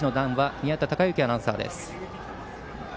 宮田貴行アナウンサーです。